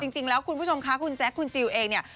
จริงแล้วคุณผู้ชมคะคุณแจ๊คคุณจิลเองเนี่ย